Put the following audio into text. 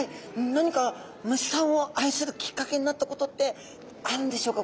何か虫さんを愛するきっかけになったことってあるんでしょうか。